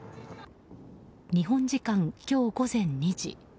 日本時間今日午前２時。